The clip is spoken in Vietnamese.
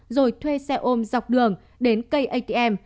rồi thuê xe ôm dọc đường đến cây atm